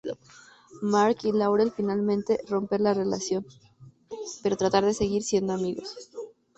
Mark y Laurel finalmente romper la relación, pero tratar de seguir siendo amigos.